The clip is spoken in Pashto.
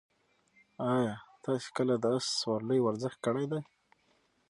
ایا تاسي کله د اس سورلۍ ورزش کړی دی؟